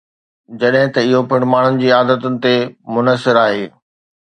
جڏهن ته اهو پڻ ماڻهن جي عادتن تي منحصر آهي